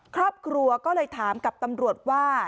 ครอบครัวก็เลยถามกับตำรวจว่า